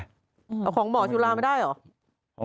เอาของหมอจุลาไม่ได้เหรอ